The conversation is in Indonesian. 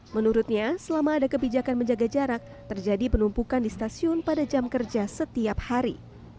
menurutnya selama ada kebijakan menjaga jarak terjadi penumpukan di stasiun pada jam kerja setiap hari